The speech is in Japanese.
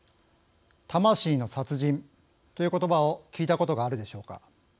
魂の殺人ということばを聞いたことがあるでしょうか。